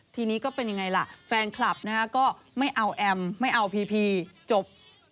ทีนี้ก็เป็นยังไงล่ะแฟนคลับนะฮะก็ไม่เอาแอมไม่เอาพีพีจบ